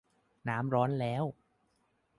น้ำร้อนแล้ว